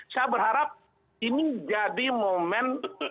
saya berharap ini jadi momen